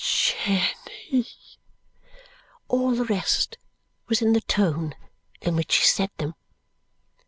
Jenny!" All the rest was in the tone in which she said them.